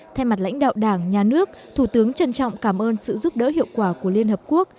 thay mặt lãnh đạo đảng nhà nước thủ tướng trân trọng cảm ơn sự giúp đỡ hiệu quả của liên hợp quốc